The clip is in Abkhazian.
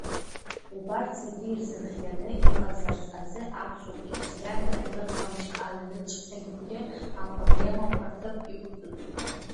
Убарҭ зегьы ирзырхианы иҟазарц азы аԥсуа қьырсианра ныхамч аҩныҵҟатәи апроблемақәа рҭыԥ иқәҵатәуп.